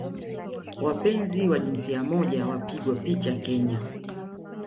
wapenzi wa jinsia moja wapigwa picha Kenya